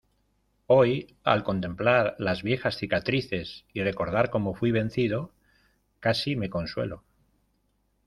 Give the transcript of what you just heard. hoy, al contemplar las viejas cicatrices y recordar cómo fuí vencido , casi me consuelo.